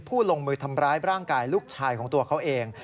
ลงมือทำร้ายร่างกายลูกชายของตัวเขาเอง